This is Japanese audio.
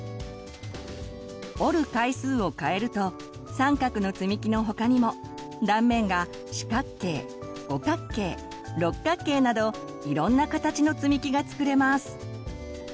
折る回数を変えると三角のつみきの他にも断面が四角形五角形六角形などいろんな形のつみきが作れます。